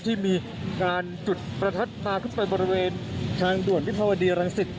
ที่มีการจุดประทัดมาขึ้นไปบริเวณทางด่วนวิภาวดีรังสิต